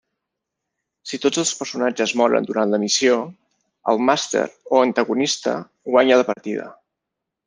Si tots els personatges moren durant la missió, el màster o antagonista guanya la partida.